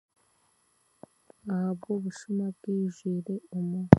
Ahabw'obushuma bwijwire omu